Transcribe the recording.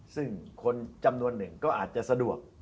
ซึ่งคนจำนวนหนึ่งก็อาจจะสะดวก